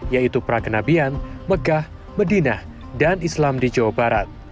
yaitu prakenabian megah medinah dan islam di jawa barat